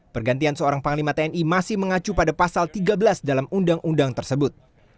pergantian seorang panglima tni masih mengacu pada pasal tiga belas dalam undang undang tersebut